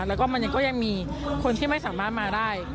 แล้วก็มันก็ยังมีคนที่ไม่สามารถมาได้